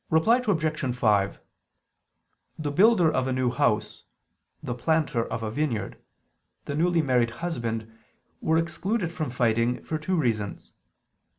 Reply Obj. 5: The builder of a new house, the planter of a vineyard, the newly married husband, were excluded from fighting, for two reasons.